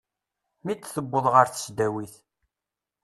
Mi d-tewweḍ ɣer tesdawit.